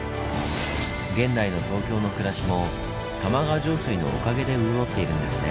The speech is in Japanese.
現代の東京の暮らしも玉川上水のおかげで潤っているんですね。